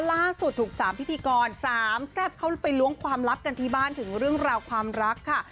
ล่าสุดถูก๓พิธีกร๓แซ่บเข้าไปล้วงความลับกันที่บ้านถึงเรื่องราวความรักค่ะ